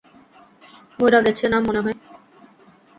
মইরা গেছে না, মনে হয়?